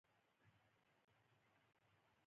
د نجونو تعلیم د روژې فضیلت بیانوي.